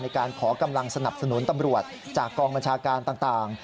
ในการขอกำลังสนับสนุนตำรวจจากกองบัญชาการต่าง